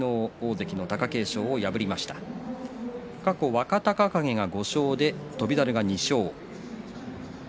過去、若隆景が５勝で翔猿は２勝です。